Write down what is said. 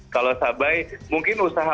kalau sabah mungkin usaha